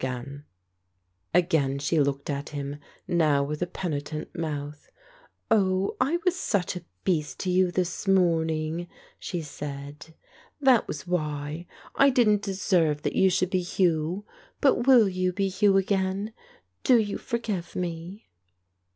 Again she looked at him, now with a penitent mouth. "Oh, I was such a beast to you this morning," she said. "That was why. I didn't deserve that you should be Hugh. But will you be Hugh again ? Do you forgive me